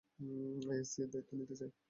ISC এর দায়িত্ব নিতে চায়।